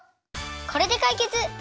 これでかいけつ！